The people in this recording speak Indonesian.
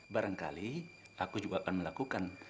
barangkali aku juga akan melakukan